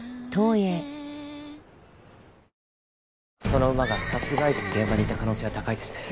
その馬が殺害時に現場にいた可能性は高いですね。